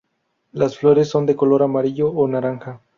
Las flores son de color amarillo o naranja.